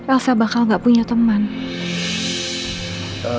rasa bakal gak punya teman